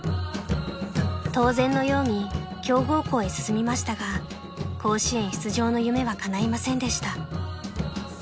［当然のように強豪校へ進みましたが甲子園出場の夢はかないませんでした］